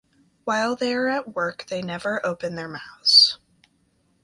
While they are at work they never open their mouths.